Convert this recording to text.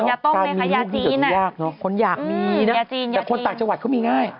ลองยาต้มไหมคะยาจีนยาจีนยาจีนยาจีนยาจีนแต่คนต่างจังหวัดเขามีง่าย